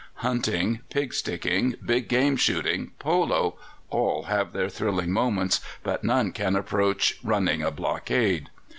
Hunting, pig sticking, big game shooting, polo all have their thrilling moments, but none can approach 'running a blockade.